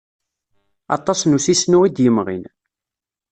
Aṭas n usisnu i d-yemɣin.